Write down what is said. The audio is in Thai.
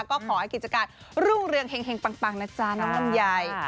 ก็ขอให้กิจการรุ่งเรืองแห่งปังนะจ๊ะน้องลำไย